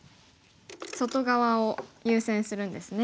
外側を優先するんですね。